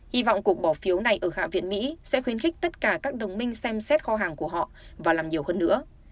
hy vọng cuộc bỏ phiếu này ở hạ viện mỹ sẽ khuyến khích tất cả các đồng minh xem xét kho hàng của họ và làm nhiều hơn nữa